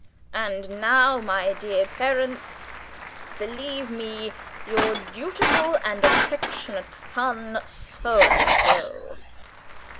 "And now, my dear parents, believe me, your dutiful and affectionate son, so and so."